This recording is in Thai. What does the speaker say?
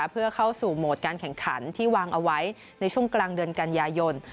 เพื่อเข้าสู่โหมดการแข่งขันที่วางเอาไว้ในช่วงกลางเดือนกันยายน